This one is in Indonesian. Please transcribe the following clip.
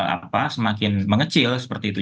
apa semakin mengecil seperti itu